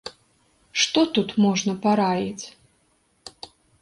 Што тут можна параіць?